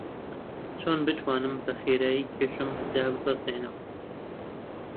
چۆن بتوانم بەخێرایی کێشم داببەزێنم؟